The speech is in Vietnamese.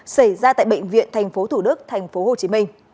xảy ra tại bệnh viện tp thủ đức tp hcm